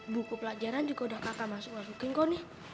buku pelajaran juga udah kakak masuk masukin kok nih